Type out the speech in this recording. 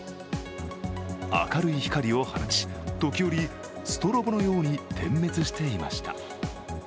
明るい光を放ち、時折、ストロボのように点滅していました。